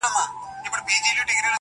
نیکه ویله چي کوی ښه کار -